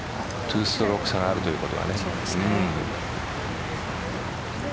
２ストローク差があるということです。